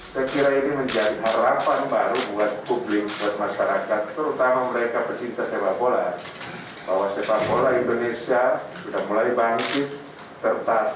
mereka pencinta sepak bola bahwa sepak bola indonesia sudah mulai bangkit